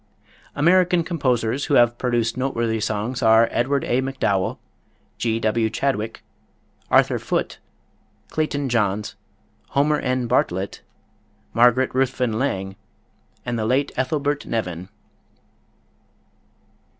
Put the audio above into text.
American composers who have produced noteworthy songs are Edward A. MacDowell, G. W. Chadwick, Arthur Foote, Clayton Johns, Homer N. Bartlett, Margaret Ruthven Lang, and the late Ethelbert Nevin.